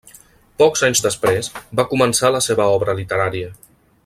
Pocs anys després va començar la seva obra literària.